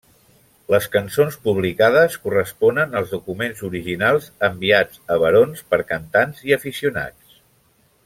Les cançons publicades corresponen als documents originals, enviats a Barons per cantants i aficionats.